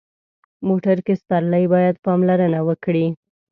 موټر کې سپرلي باید پاملرنه وکړي.